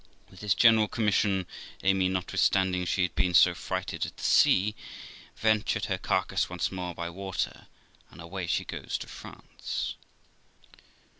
With this general commission, Amy, notwithstanding she had been so frighted at the sea, ventured her carcass once more by water, and away THE LIFE OF ROXANA 321 she goes to France.